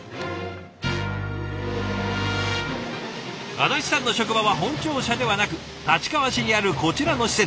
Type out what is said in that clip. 安達さんの職場は本庁舎ではなく立川市にあるこちらの施設。